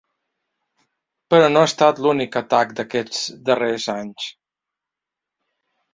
Però no ha estat l’únic atac d’aquests darrers anys.